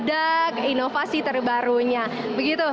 dan juga teknologi yang terbaru seperti itu